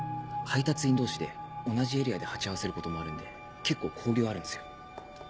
配達員同士で同じエリアで鉢合わせることもあるんで結構交流あるんすよ。